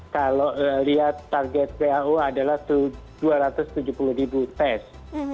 kalau lihat target who adalah dua ratus tujuh puluh ribu tes